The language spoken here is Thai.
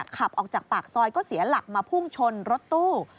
ขับออกจากปากซอยก็เสียหลักมาพุ่งชนรถตู้